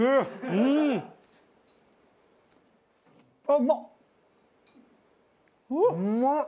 うまっ！